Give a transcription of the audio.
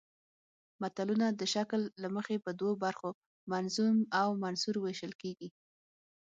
متلونه د شکل له مخې په دوو برخو منظوم او منثور ویشل کیږي